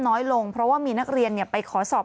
น้อยลงเพราะว่ามีนักเรียนไปขอสอบ